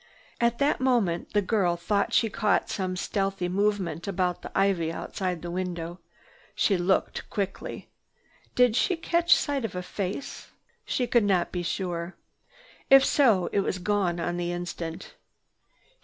At that moment the girl thought she caught some stealthy movement about the ivy outside the window. She looked quickly. Did she catch sight of a face? She could not be sure. If so, it was gone on the instant.